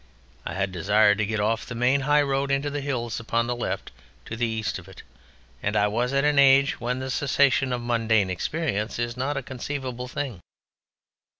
I had desired to get off the main high road into the hills upon the left, to the east of it, and I was at an age when the cessation of mundane experience is not a conceivable thing.